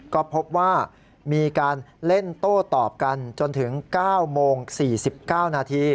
ก็พบว่ามีการเล่นโต้ตอบกันจนถึง๙โมง๔๙นาที